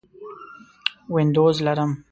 وینډوز لرم